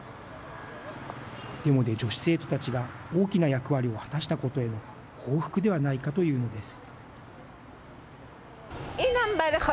デモで女子生徒たちが大きな役割を果たしたことへの報復ではないかというのです。